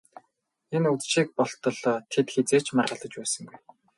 Энэ үдшийг болтол тэд хэзээ ч маргалдаж байсангүй.